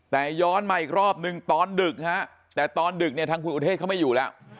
แต่ย้อนมาอีกรอบนึงตอนดึกฮะแต่ตอนดึกเนี่ยทางคุณอุเทศเขาไม่อยู่แล้ว